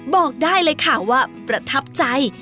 บอกได้เลยค่ะว่าประทับใจ